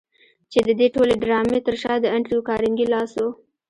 چې د دې ټولې ډرامې تر شا د انډريو کارنګي لاس و.